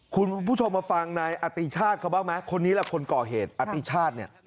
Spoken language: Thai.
คุณผู้ชมมาฟังนายอติชาติเขาบ้างไหมคนนี้แหละคนก่อเหตุอติชาติเนี่ย